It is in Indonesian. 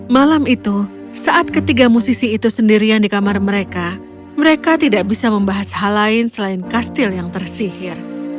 malam itu saat ketiga musisi itu sendirian di kamar mereka mereka tidak bisa membahas hal lain selain kastil yang tersihir